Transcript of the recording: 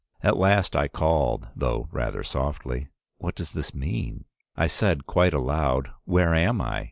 At last I called, though rather softly, 'What does this mean?' I said quite aloud, 'Where am I?